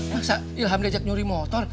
masa ilham diajak nyuri motor